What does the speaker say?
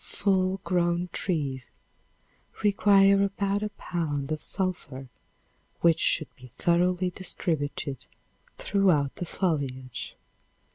Full grown trees require about a pound of sulphur which should be thoroughly distributed throughout the foliage.